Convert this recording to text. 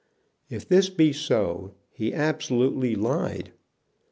If this be so, he absolutely lied.